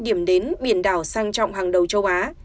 điểm đến biển đảo sang trọng hàng đầu châu á